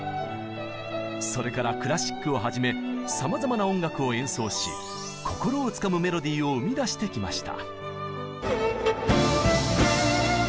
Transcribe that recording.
それからクラシックをはじめさまざまな音楽を演奏し心をつかむメロディーを生み出してきました。